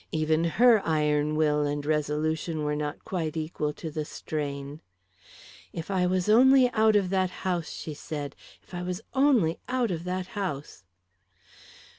Even her iron will and resolution were not quite equal to the strain. "If I was only out of the house," she said. "If I was only out of that house."